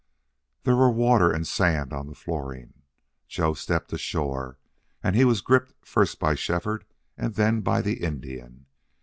There were water and sand on the flooring. Joe stepped ashore and he was gripped first by Shefford and then by the Indian.